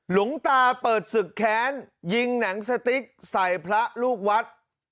หลวงตาเปิดศึกแค้นยิงหนังสติ๊กใส่พระลูกวัด